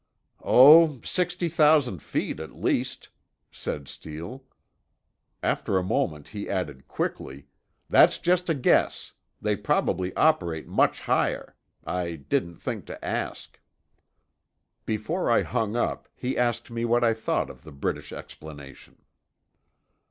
"Oh—sixty thousand feet, at least," said Steele. After a moment he added quickly, "That's just a guess—they probably operate much higher. I didn't think to ask." Before I hung up, he asked me what I thought, of the British explanation.